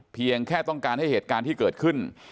เพียงแค่ต้องการให้เหตุการณ์ที่เกิดขึ้น